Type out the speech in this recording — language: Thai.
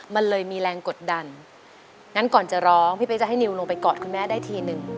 มันเลยมีแรงกดดันงั้นก่อนจะร้องพี่เป๊กจะให้นิวลงไปกอดคุณแม่ได้ทีนึง